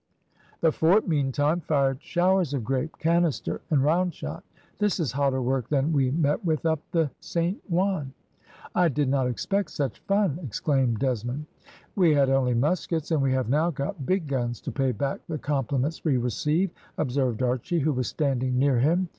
The fort, meantime, fired showers of grape, canister, and round shot. "This is hotter work than we met with up the Saint Juan; I did not expect such fun," exclaimed Desmond. "We had only muskets, and we have now got big guns to pay back the compliments we receive," observed Archy, who was standing near him.